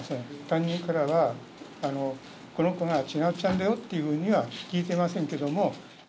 担任からは、この子がちなつちゃんだよというふうには聞いてませんけれども。